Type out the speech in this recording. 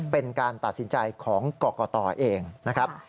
เป็นการตัดสินใจของกรกตเองนะครับ